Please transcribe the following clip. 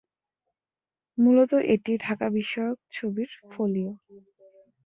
মূলত এটি ঢাকা বিষয়ক ছবির ফোলিয়ো।